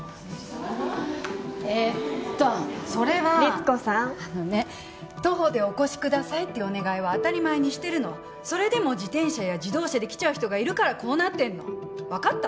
えーっとそれは律子さんあのね徒歩でお越しくださいっていうお願いは当たり前にしてるそれでも自転車や自動車で来ちゃう人がいるからこうなってんの分かった？